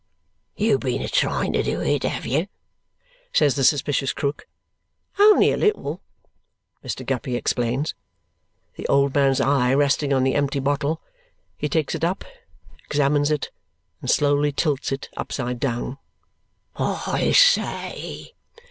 You've been a trying to do it, have you?" says the suspicious Krook. "Only a little," Mr. Guppy explains. The old man's eye resting on the empty bottle, he takes it up, examines it, and slowly tilts it upside down. "I say!"